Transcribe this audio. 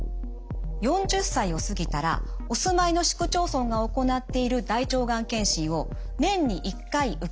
４０歳を過ぎたらお住まいの市区町村が行っている大腸がん検診を年に１回受けることができます。